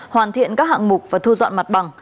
hoàn thiện các hạng mục và thu dọn mặt bằng